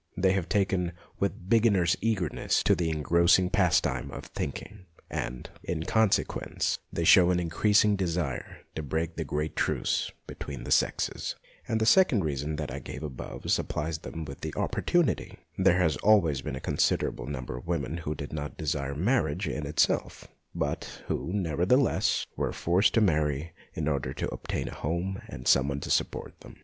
They have taken, with the beginner's eagerness, to the engrossing pastime of thinking, and, in con sequence, they show an increasing desire to break the great truce between the sexes. And the second reason that I gave above 10 146 MONOLOGUES supplies them with the opportunity. There has always been a considerable number of women who did not desire marriage in it self, but who, nevertheless, were forced to marry in order to obtain a home and some one to support them.